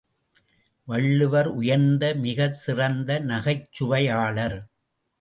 வள்ளுவர் உயர்ந்த மிகச் சிறந்த நகைச்சுவையாளர்.